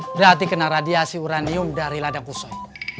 berarti kena radiasi uranium dari ladang kusoi